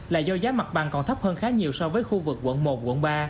là do giá mặt bằng còn thấp hơn khá nhiều so với khu vực quận một quận ba